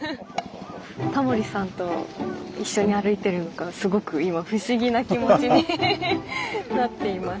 タモリさんと一緒に歩いてるのがすごく今不思議な気持ちになっています。